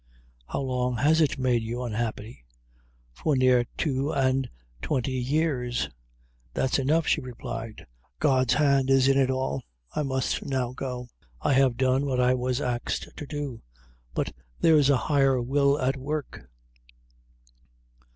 "How long has it made you unhappy?" "For near two and twenty years." "That's enough," she replied; "God's hand is in it all I must now go. I have done what I was axed to do; but there's a higher will at work.